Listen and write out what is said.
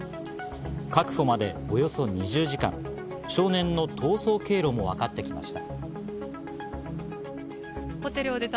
確保までおよそ２０時間、少年の逃走経路もわかってきました。